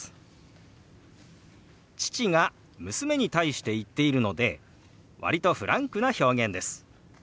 父が娘に対して言っているので割とフランクな表現です。